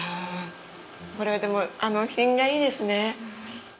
これは、でも、品がいいですね。